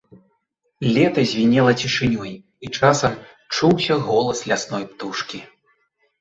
Лета звінела цішынёй, і часам чуўся голас лясной птушкі.